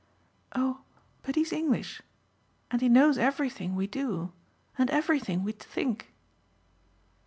"Oh but he's English. And he knows everything we do and everything we think."